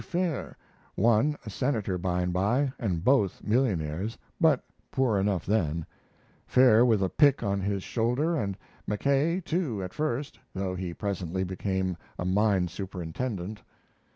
Fair, one a senator by and by, and both millionaires, but poor enough then Fair with a pick on his shoulder and Mackay, too, at first, though he presently became a mine superintendent.